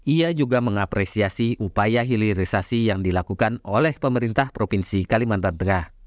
ia juga mengapresiasi upaya hilirisasi yang dilakukan oleh pemerintah provinsi kalimantan tengah